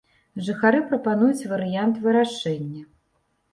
Жыхары прапануюць варыянт вырашэння.